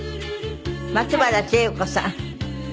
松原智恵子さん。